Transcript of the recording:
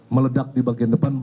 meledak di bagian depan